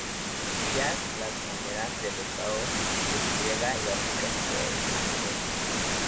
Guía las maneras en el Estado despliega y aplica su poder en el exterior.